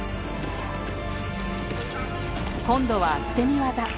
今度は捨て身技。